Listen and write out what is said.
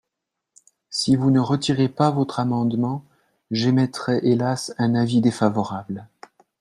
Si vous ne retirez pas votre amendement, j’émettrai hélas un avis défavorable.